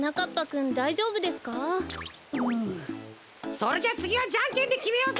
それじゃつぎはじゃんけんできめようぜ！